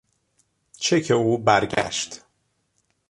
چک او برگشت.